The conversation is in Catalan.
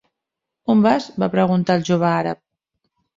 "On vas?" va preguntar el jove àrab.